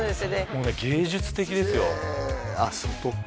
もうね芸術的ですよへえあっ外子